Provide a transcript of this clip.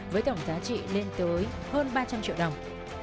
với tổng giá trị lên tới hơn ba trăm linh triệu đồng